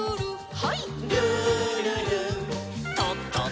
はい。